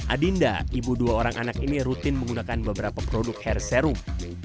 adinda ibu dua orang anak ini rutin menggunakan beberapa produk hair serum